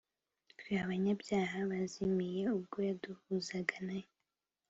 twe abanyabyaha bazimiye, ubwo yaduhuzaga na yo,